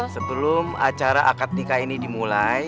sebelum acara akad nikah ini dimulai